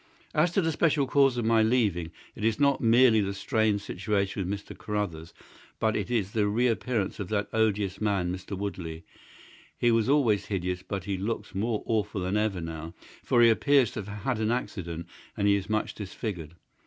"As to the special cause of my leaving, it is not merely the strained situation with Mr. Carruthers, but it is the reappearance of that odious man, Mr. Woodley. He was always hideous, but he looks more awful than ever now, for he appears to have had an accident and he is much disfigured.